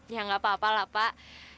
ya nggak apa apa lah pak